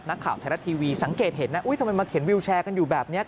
นักข่าวไทยรัฐทีวีสังเกตเห็นนะทำไมมาเข็นวิวแชร์กันอยู่แบบนี้